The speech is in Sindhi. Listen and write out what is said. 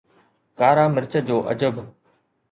ڪارا مرچ جو عجب